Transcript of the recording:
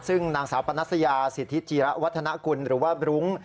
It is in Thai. ซึ่งนางสาวปนัสยาสิทธิจีระวัฒนากุลหรือว่าบรุ้ง